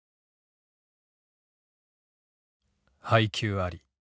「配給あり。